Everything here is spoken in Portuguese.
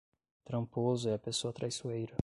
Tramposo é a pessoa traiçoeira